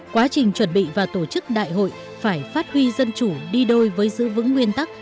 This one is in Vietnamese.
quá trình chuẩn bị và tổ chức đại hội phải phát huy dân chủ đi đôi với giữ vững nguyên tắc